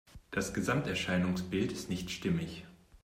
Das Gesamterscheinungsbild ist nicht stimmig.